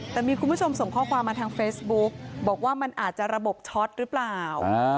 แต่มีคุณผู้ชมส่งข้อความมาทางเฟซบุ๊กบอกว่ามันอาจจะระบบช็อตหรือเปล่า